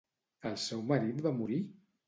El seu marit va morir?